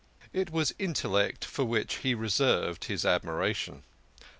It was intellect for which he reserved his admiration.